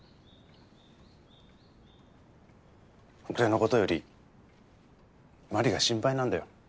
俺の事よりまりが心配なんだよ。